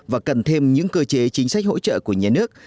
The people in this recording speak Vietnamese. và cần thêm những cơ chế chính sách hỗ trợ của nhà nước